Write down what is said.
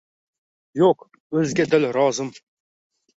Yo’q o’zga dil rozim